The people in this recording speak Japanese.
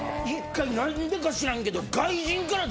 １回何でか知らんけど。